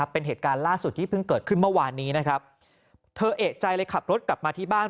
เป็นเหตุการณ์ล่าสุดที่เพิ่งเกิดขึ้นเมื่อวานนี้นะครับเธอเอกใจเลยขับรถกลับมาที่บ้าน